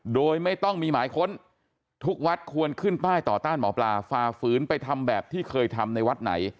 โดยไม่ต้องมีหมายค้นทุกวัดควรขึ้นป้ายต่อต้านหมอปลาฝ่าฝืนไปทำแบบที่เคยทำในวัดไหน